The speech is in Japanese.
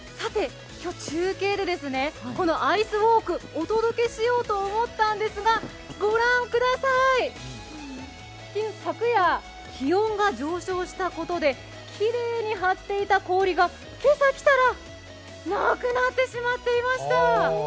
今日、中継で、このアイスウォークをお届けしようと思ったんですが、御覧ください、昨夜、気温が上昇したことできれいに張っていた氷が今朝来たらなくなってしまっていました！